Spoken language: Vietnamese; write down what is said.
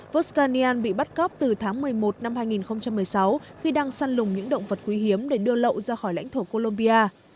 voscanya bị bắt cóc từ tháng một mươi một năm hai nghìn một mươi sáu khi đang săn lùng những động vật quý hiếm để đưa lậu ra khỏi lãnh thổ colombia